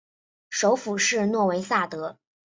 首府是诺维萨德。